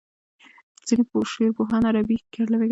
ځینې پوهان شعر عربي کلمه ګڼي.